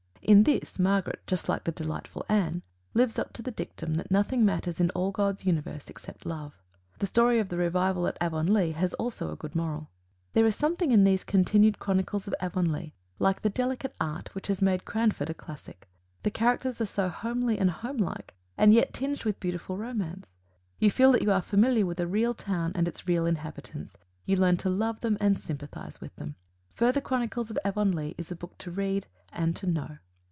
In this, Margaret, just like the delightful Anne, lives up to the dictum that "nothing matters in all God's universe except love." The story of the revival at Avonlea has also a good moral. There is something in these continued Chronicles of Avonlea, like the delicate art which has made "Cranford" a classic: the characters are so homely and homelike and yet tinged with beautiful romance! You feel that you are made familiar with a real town and its real inhabitants; you learn to love them and sympathize with them. Further Chronicles of Avonlea is a book to read; and to know.